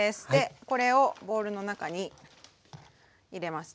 これをボウルの中に入れますね。